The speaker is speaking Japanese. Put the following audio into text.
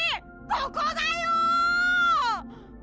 ここだよ！